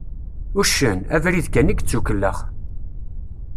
Uccen, abrid kan i yettukellex.